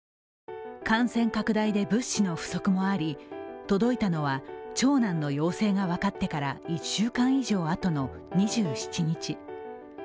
感染拡大で物資の不足もあり、届いたのは長男の陽性が分かってから１週間以上あとの２７日。